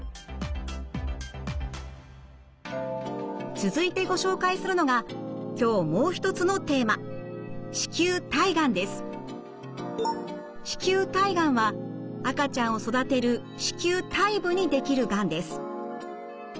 続いてご紹介するのが今日もう一つのテーマ子宮体がんは赤ちゃんを育てる子宮体部に出来るがんです。